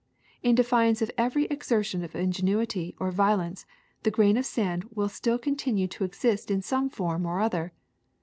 In defiance of every exertion of ingenuity or violence the grain of sand will still continue to exist in some form or other.